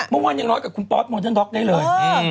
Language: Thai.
เมื่อวานยังร้องกับคุณปอสมอเจ้นร็อกได้เลยอือ